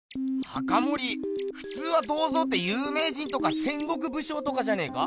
ふつうは銅像ってゆうめい人とか戦国武将とかじゃねえか？